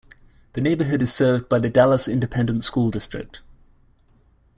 The neighborhood is served by the Dallas Independent School District.